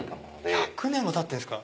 １００年も経ってるんですか！